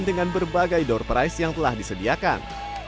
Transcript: dengan berbagai door price yang telah disediakan